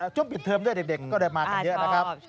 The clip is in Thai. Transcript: ช่วงปิดเทอมด้วยเด็กก็ได้มากันเยอะนะครับ